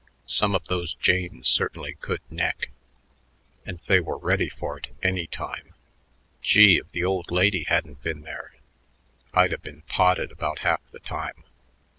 Some of those janes certainly could neck, and they were ready for it any time. Gee, if the old lady hadn't been there, I'd a been potted about half the time.